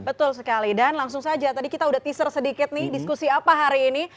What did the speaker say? betul sekali dan langsung saja tadi kita udah teaser sedikit nih diskusi apa hari ini